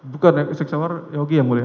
bukan ya six hour yogi yang mulia